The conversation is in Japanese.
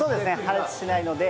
破裂しないので。